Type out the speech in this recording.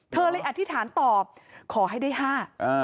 เธอเลยอธิษฐานตอบขอให้ได้ห้า